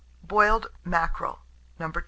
BOILED MACKEREL. 280.